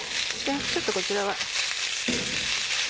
ちょっとこちらは。